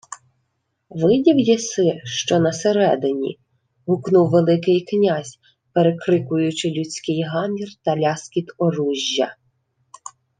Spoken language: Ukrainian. — Видів єси, що на середині? — гукнув Великий князь, перекрикуючи людський гамір та ляскіт оружжя.